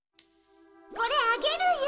これあげるよ。